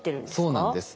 そうなんです。